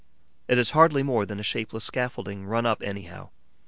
It is hardly more than a shapeless scaffolding, run up anyhow.